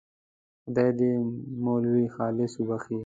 خدای دې مولوي خالص وبخښي.